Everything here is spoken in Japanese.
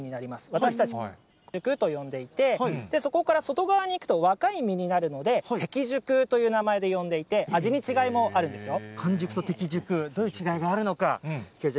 私たち、完熟と呼んでいて、そこから底にいくと若い実になるので、適熟という名前で呼んでいて、味に違いもあるんですよ。